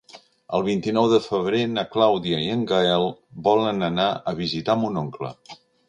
El vint-i-nou de febrer na Clàudia i en Gaël volen anar a visitar mon oncle.